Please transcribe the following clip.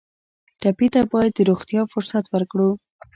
ټپي ته باید د روغتیا فرصت ورکړو.